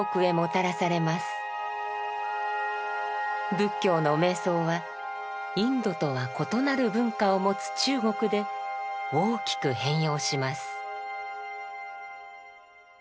仏教の瞑想はインドとは異なる文化を持つ中国で大きく変容します。